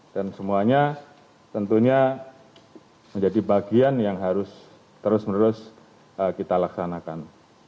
semuanya tentunya menjadi bagian yang harus terus menerus kita laksanakan